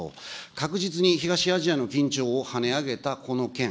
確実に東アジアの緊張をはね上げたこの件。